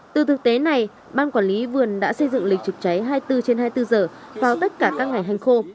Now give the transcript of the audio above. từ thực tế này ban quản lý vườn đã xây dựng lịch trực cháy hai mươi bốn trên hai mươi bốn giờ vào tất cả các ngày hành khô